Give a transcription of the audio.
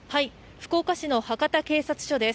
福岡市の博多警察署です。